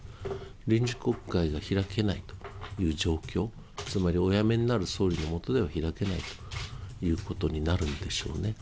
臨時国会が開けないという状況、つまりお辞めになる総理の下では開けないということになるんでしょうね。